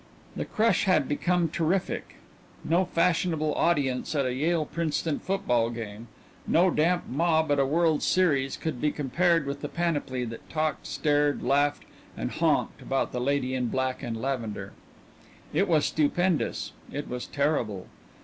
The crush had become terrific. No fashionable audience at a Yale Princeton football game, no damp mob at a world's series, could be compared with the panoply that talked, stared, laughed, and honked about the lady in black and lavender. It was stupendous; it was terrible.